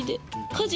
家事。